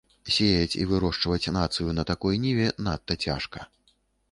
Сеяць і вырошчваць нацыю на такой ніве надта цяжка.